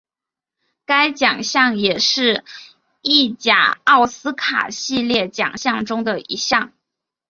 该奖项也是意甲奥斯卡系列奖项中的一项。